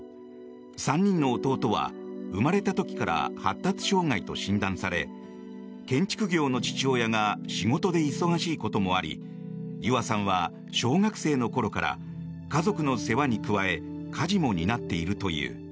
３人の弟は生まれた時から発達障害と診断され建築業の父親が仕事で忙しいこともありゆあさんは小学生の頃から家族の世話に加え家事も担っているという。